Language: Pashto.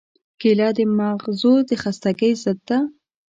کېله د مغزو د خستګۍ ضد ده.